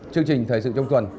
chương trình thầy sự trong tuần